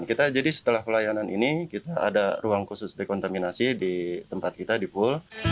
kita jadi setelah pelayanan ini kita ada ruang khusus dekontaminasi di tempat kita di pool